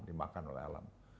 dimakan oleh alam